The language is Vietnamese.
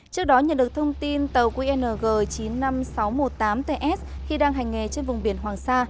trước đó nhận được thông tin tàu qng chín mươi năm nghìn sáu trăm một mươi tám ts khi đang hành nghề trên vùng biển hoàng sa